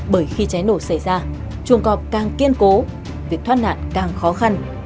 bởi khi cháy nổ xảy ra chuồng cọp càng kiên cố việc thoát nạn càng khó khăn